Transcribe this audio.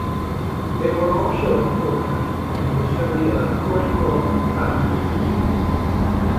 They were also important in the study of cortical plasticity.